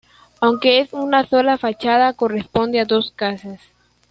Aunque es una sola fachada, corresponde a dos casas.